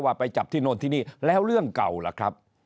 ไปจับที่โน่นที่นี่แล้วเรื่องเก่าล่ะครับ